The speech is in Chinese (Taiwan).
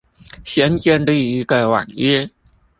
先建立一個網頁